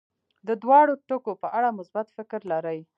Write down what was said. د دواړو ټکو په اړه مثبت فکر لري.